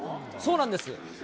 そうなんです。